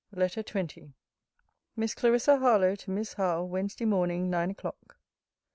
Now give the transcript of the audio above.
LETTER XX MISS CLARISSA HARLOWE, TO MISS HOWE WEDNESDAY MORNING, NINE O'CLOCK.